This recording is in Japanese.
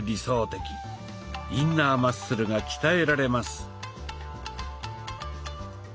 インナーマッスルが鍛えられます。